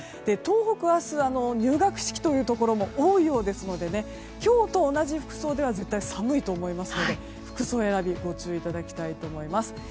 東北は明日、入学式のところも多いようなので今日と同じ服装では絶対寒いと思いますので服装選び、ご注意いただきたいと思います。